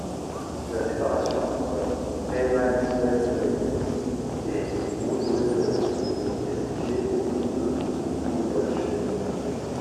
La séparation entre Heimanswetering et Woudwetering est située au pont de Woubrugge.